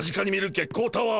月光タワー？